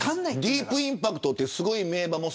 ディープインパクトってすごい名馬も。